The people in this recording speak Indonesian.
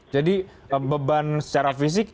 jadi beban secara fisik